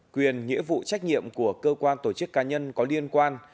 quyền nghĩa vụ trách nhiệm của cơ quan tổ chức cá nhân có liên quan